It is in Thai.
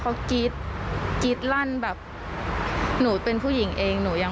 ความโหโชคดีมากที่วันนั้นไม่ถูกในไอซ์แล้วเธอเคยสัมผัสมาแล้วว่าค